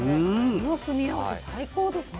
この組み合わせ最高ですね。